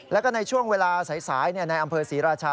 แล้วก็ในช่วงเวลาสายในอำเภอศรีราชา